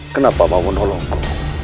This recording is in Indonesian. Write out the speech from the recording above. kenapa mau menolongku